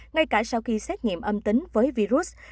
ngay cả sau khi xét nghiệm âm tính với virus